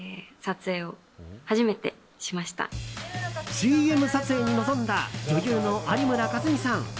ＣＭ撮影に臨んだ女優の有村架純さん。